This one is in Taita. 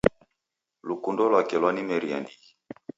Lukundo lwake lwanimeria ndighi